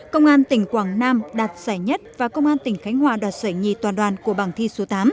công an tỉnh quảng nam đạt giải nhất và công an tỉnh khánh hòa đoạt giải nhì toàn đoàn của bảng thi số tám